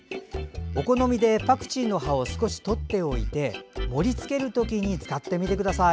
お好みでパクチーの葉を少し取っておいて盛り付ける時に使ってみてください。